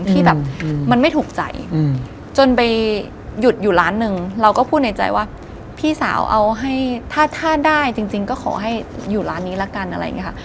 ที่แบบมันไม่ถูกใจจนไปหยุดอยู่ร้านหนึ่งเราก็พูดในใจว่าพี่สาวเอาให้ถ้าได้จริงก็ขอให้อยู่ร้านนี้ละกันอะไรอย่างนี้ค่ะ